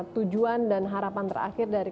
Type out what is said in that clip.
tujuan dan harapan terakhir dari